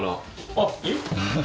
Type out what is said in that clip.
あっえっ？